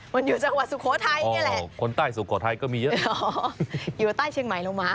มันอยู่จังหวัดสุโขทัยเนี่ยแหละ